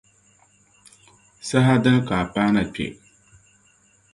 Saha dini ka a paana kpe?